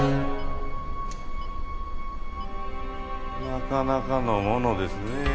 なかなかのものですねえ。